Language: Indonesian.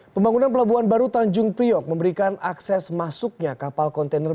pembangunan pelabuhan baru tanjung priok memberikan akses masuknya kapal kontainer